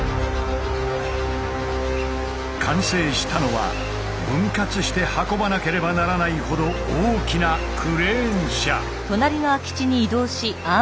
完成したのは分割して運ばなければならないほど大きなクレーン車。